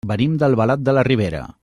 Venim d'Albalat de la Ribera.